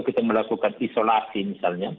kita melakukan isolasi misalnya